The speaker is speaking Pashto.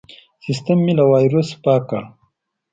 سیستم مې له وایرس پاک کړ.